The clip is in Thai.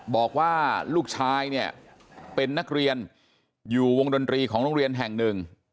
บอกว่าลูกชายเนี่ยเป็นนักเรียนอยู่วงดนตรีของโรงเรียนแห่งหนึ่ง